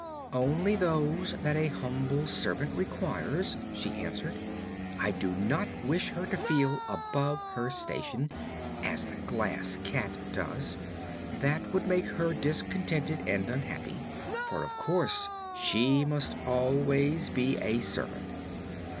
"Only those that an humble servant requires," she answered. "I do not wish her to feel above her station, as the Glass Cat does. That would make her discontented and unhappy, for of course she must always be a servant."